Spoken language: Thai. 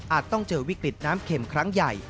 ต้องเจอวิกฤตน้ำเข็มครั้งใหญ่